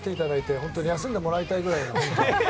本当は休んでもらいたいくらい。